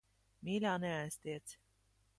Mīļā, neaiztiec.